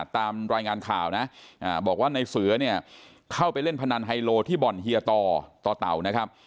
ตามรายงานข่าวนะบอกว่าในเสือเนี่ยเข้าไปเล่นพนันไฮโลที่บ่อนเฮียต่อต่อเต่านะครับ